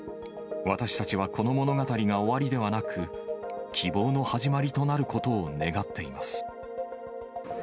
私たちはこの物語が終わりではなく、希望の始まりとなることを願っています。